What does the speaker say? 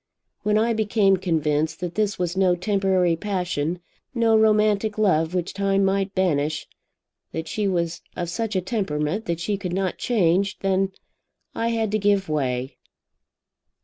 When I became convinced that this was no temporary passion, no romantic love which time might banish, that she was of such a temperament that she could not change, then I had to give way.